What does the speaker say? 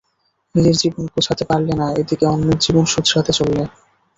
নিজের জীবন গোছাতে পারলে না এদিকে অন্যের জীবন শোধরাতে চললে।